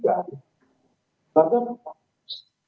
di dalam pegi itu ada di bandung